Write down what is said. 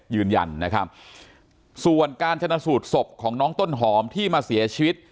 ยืนยันนะครับส่วนการชนะสูตรศพของน้องต้นหอมที่มาเสียชีวิต